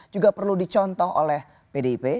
juga perlu dicontoh oleh pdip